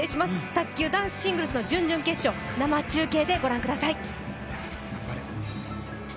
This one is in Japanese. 卓球男子シングルスの準々決勝、生中継でご覧ください。